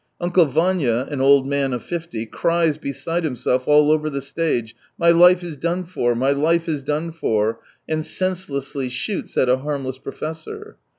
Uncle Vanya, an old man of fifty, cries beside himself all over the stage, ■" My life is done for, my life is done for," land s enselessly shoots at a harmless pro fessor.